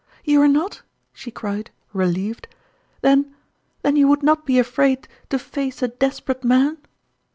" You are not ?" she cried, relieved. " Then then you would not be afraid to face a des perate man